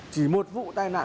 chỉ một vụ tai nạn